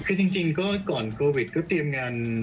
คือจริงก็ก่อนโควิดก็เตรียมงาน